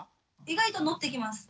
意外と乗ってきます。